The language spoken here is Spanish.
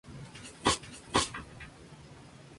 Pudo haber tenido respaldo iraquí.